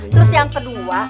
terus yang kedua